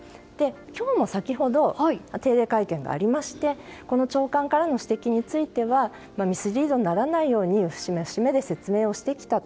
今日も先ほど定例会見がありましてこの長官からの指摘についてはミスリードにならないように節目節目で説明をしてきた。